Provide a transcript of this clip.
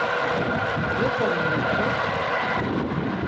Yoxo mu ort̆u?